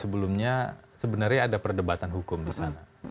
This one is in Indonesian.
sebelumnya sebenarnya ada perdebatan hukum di sana